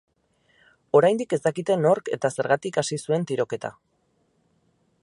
Oraindik ez dakite nork eta zergatik hasi zuen tiroketa.